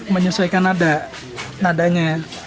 menyesuaikan nada nadanya